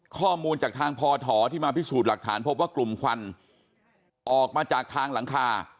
ข้อมูลจากทางพอถอที่มาพิสูจน์หลักฐานพบว่ากลุ่มควันออกมาจากทางหลังคา